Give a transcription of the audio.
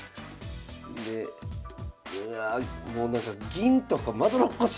でうわもうなんか銀とかまどろっこしいねんな。